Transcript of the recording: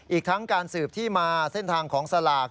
อีกทั้งการสืบที่มาเส้นทางของสลาก